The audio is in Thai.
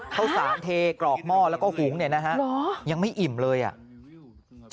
ข้าวสารเทกรอกหม้อแล้วก็หุงเนี่ยนะฮะยังไม่อิ่มเลยอ่ะ